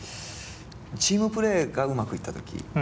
チームプレーがうまくいった時。